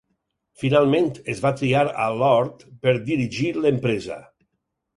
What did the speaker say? Finalment, es va triar a Lord per dirigir l'empresa.